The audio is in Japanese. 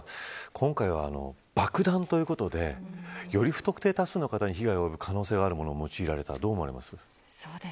今回は爆弾ということでより不特定多数の方に被害が出る可能性があるものが用いられました。